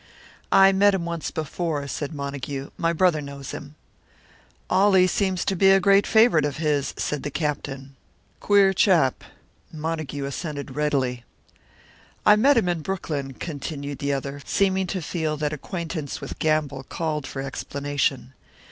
"I met him once before," said Montague. "My brother knows him." "Ollie seems to be a great favourite of his," said the Captain. "Queer chap." Montague assented readily. "I met him in Brooklyn," continued the other, seeming to feel that acquaintance with Gamble called for explanation.